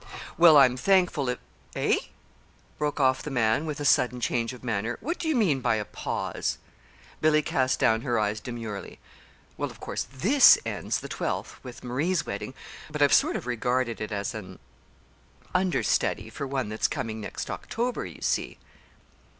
"Well, I'm thankful if eh?" broke off the man, with a sudden change of manner. "What do you mean by 'a pause'?" Billy cast down her eyes demurely. "Well, of course this ends the twelfth with Marie's wedding; but I've sort of regarded it as an understudy for one that's coming next October, you see."